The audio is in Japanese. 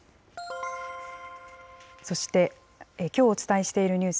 そして、きょうお伝えしているニュース。